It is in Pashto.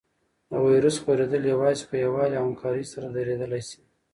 د وېروس خپرېدل یوازې په یووالي او همکارۍ سره درېدلی شي.